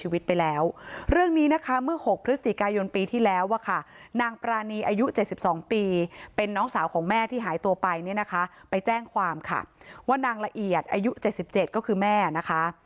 ว่าค่ะนางปรานีอายุ๗๒ปีเป็นน้องสาวของแม่ที่หายตัวไปเนี้ยนะคะไปแจ้งความค่ะว่านางละเอียดอายุ๗๗ก็คือแม่นะคะ